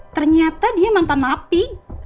ternyata dia mantan api